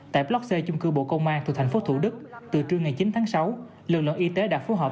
tại block c chung cư bộ công an thuộc thành phố thủ đức từ trưa ngày chín sáu lực lượng y tế đã phù hợp